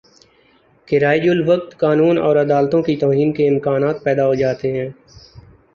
کہ رائج الوقت قانون اور عدالتوں کی توہین کے امکانات پیدا ہو جاتے ہیں